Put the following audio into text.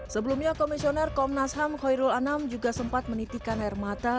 sebelumnya komisioner komnas ham khairul anam juga sempat menitikan air mata